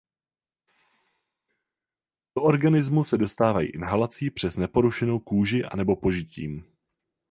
Do organismu se dostávají inhalací přes neporušenou kůži anebo požitím.